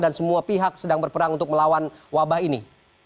dan semua pihak sedang berperang untuk melawan wabah ini